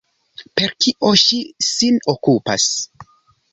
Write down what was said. Per kio ŝi sin okupas?